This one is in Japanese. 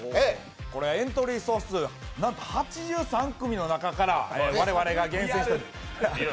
エントリー総数なんと８３組の中から我々が厳選しました。